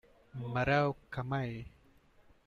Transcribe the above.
Mareo Kamei